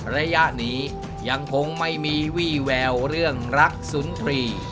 ระยะนี้ยังคงไม่มีวี่แววเรื่องรักสุนทรีย์